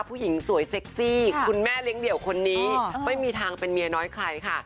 ผู้หญิงสวยเซ็กซี่คุณแม่เลี้ยงเดี่ยวคนนี้ไม่มีทางเป็นเมียน้อยใครค่ะ